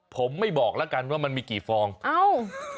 ผมไม่บอกแล้วกันว่ามันมีกี่ฟองเอ้า